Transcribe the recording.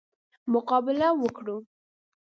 مقابله وکړو.